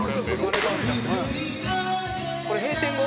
「これ閉店後？」